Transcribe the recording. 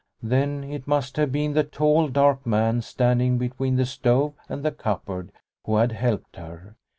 Then it must have been the tall dark man standing between the stove and the cupboard who had helped her.